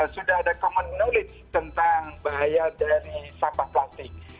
sudah ada common knowledge tentang bahaya dari sampah plastik